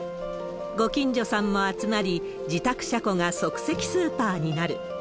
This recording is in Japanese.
ご近所さんも集まり、自宅車庫が即席スーパーになる。